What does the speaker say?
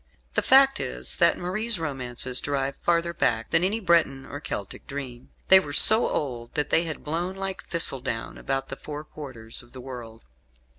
The fact is that Marie's romances derive farther back than any Breton or Celtic dream. They were so old that they had blown like thistledown about the four quarters of the world.